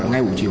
ngay buổi chiều